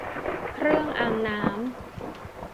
เครื่องอังน้ำ